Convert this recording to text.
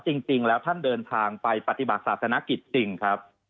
จริงแล้วท่านเดินทางไปปฏิบัติศาสนกิจจริงครับ